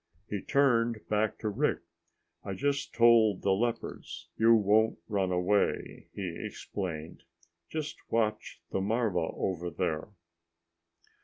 He turned back to Rick. "I just told the leopards you won't run away," he explained. "Just watch the marva over there."